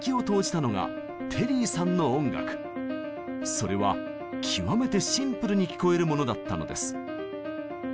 それは極めてシンプルに聞こえるものだったのです。